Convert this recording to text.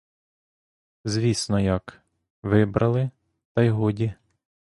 Звісно як — вибрали, та й годі.